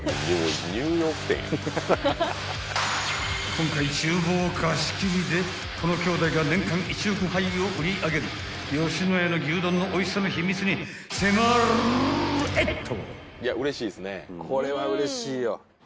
［今回厨房を貸し切りでこの兄弟が年間１億杯を売り上げる野家の牛丼のおいしさの秘密に迫るえっと］